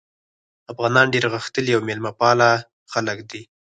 افغانان ډېر غښتلي او میلمه پاله خلک دي.